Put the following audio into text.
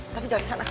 tapi jangan disana